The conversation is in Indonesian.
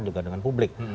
juga dengan publik